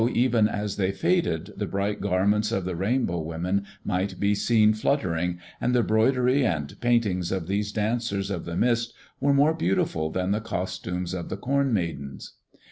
even as they faded the bright garments of the Rainbow women might be seen fluttering, and the broidery and paintings of these dancers of the mist were more beautiful than the costumes of the Corn Maidens.